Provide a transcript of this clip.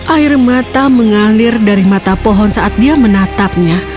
air mata mengalir dari mata pohon saat dia menatapnya